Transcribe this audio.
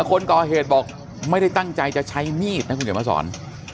คนก่อเหตุบอกไม่ได้ตั้งใจจะใช้มีดนะคุณเดี๋ยวมาสอน